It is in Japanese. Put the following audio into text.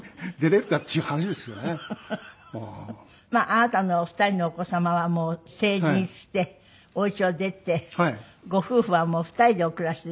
あなたのお二人のお子様はもう成人してお家を出てご夫婦はもう２人でお暮らしですって？